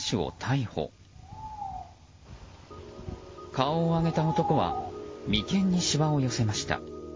顔を上げた男は眉間にしわを寄せました。